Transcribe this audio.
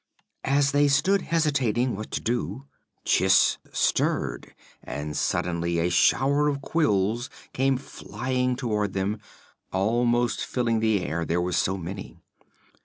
As they stood hesitating what to do Chiss stirred and suddenly a shower of quills came flying toward them, almost filling the air, they were so many.